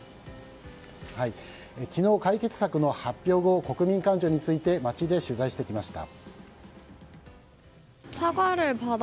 昨日解決策の発表後国民感情について街で取材してきました。